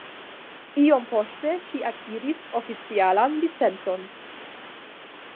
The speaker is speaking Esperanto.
Iom poste ŝi akiris oficialan licencon.